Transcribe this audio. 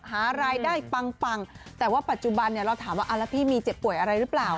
หารายได้ปังแต่ว่าปัจจุบันเนี่ยเราถามว่าแล้วพี่มีเจ็บป่วยอะไรหรือเปล่า